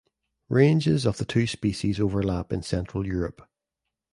Ranges of the two species overlap in Central Europe.